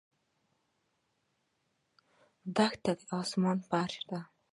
دښته د آسمان فرش دی.